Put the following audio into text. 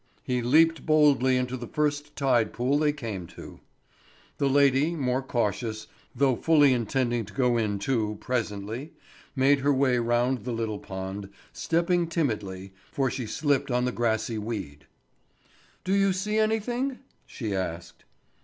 he leaped boldly into the first tide pool they came to. The lady, more cautious, though fully intending to go in too, presently, made her way round the little pond, stepping timidly, for she slipped on the grassy weed. "Do you see anything?" she asked.